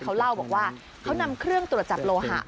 เขาเล่าบอกว่าเขานำเครื่องตรวจจับโลหะ